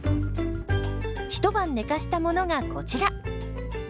一晩寝かしたものがこちら。